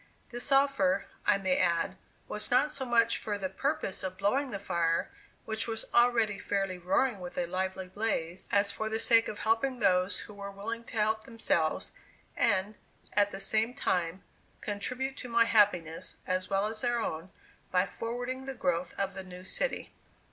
This offer, I may add, was not so much for the purpose of blowing the fire, which was already fairly roaring with a lively blaze, as for the sake of helping those who were willing to help themselves, and, at the same time, contribute to my happiness, as well as their own, by forwarding the growth of the new city.